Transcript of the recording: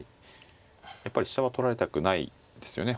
やっぱり飛車は取られたくないですよね